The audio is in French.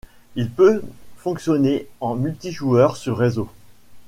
Il peut fonctionner en multijoueurs sur réseau.